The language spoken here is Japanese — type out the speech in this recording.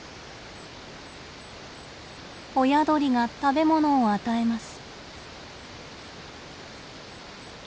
親鳥が食べ物を与えます。